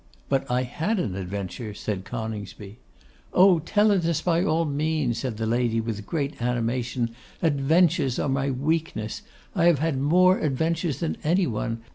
'But I had an adventure,' said Coningsby. 'Oh! tell it us by all means!' said the Lady, with great animation. 'Adventures are my weakness. I have had more adventures than any one.